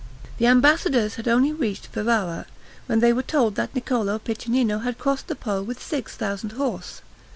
The ambassadors had only reached Ferrara, when they were told that Niccolo Piccinino had crossed the Po with six thousand horse.